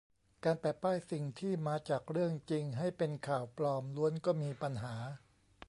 การแปะป้ายสิ่งที่"มาจากเรื่องจริง" ให้เป็นข่าวปลอมล้วนก็มีปัญหา